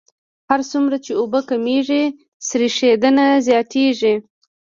هر څومره چې اوبه کمیږي سریښېدنه زیاتیږي